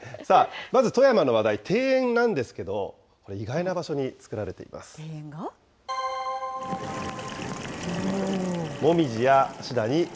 まず富山の話題、庭園なんですけど、意外な場所に作られてい庭園が？えっ？